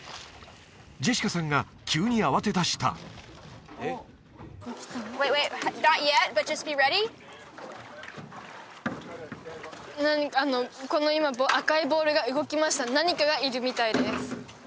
ジェシカさんが急に慌てだしたこの今赤いボールが動きました何かがいるみたいです